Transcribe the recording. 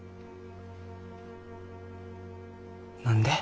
何で？